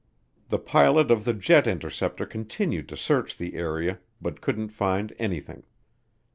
The pilot of the jet interceptor continued to search the area but couldn't find anything.